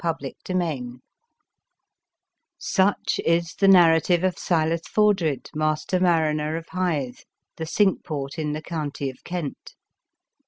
APPENDIX SUCH is the narrative of Silas For dred, master mariner of Hythe, the cinque port in the county of Kent.